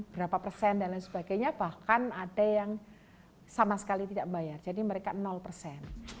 berapa persen dan lain sebagainya bahkan ada yang sama sekali tidak membayar jadi mereka persen